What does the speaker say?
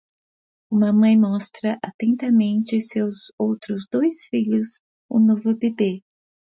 Uma mãe mostra atentamente seus outros dois filhos o novo bebê